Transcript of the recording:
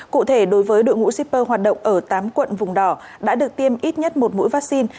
cụ thể đối với đội ngũ shipper hoạt động ở tám quận vùng đỏ đã được tiêm ít nhất một mũi vaccine